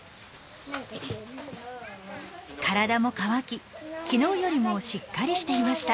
体も乾き昨日よりもしっかりしていました。